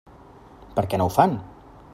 Per què no ho fan?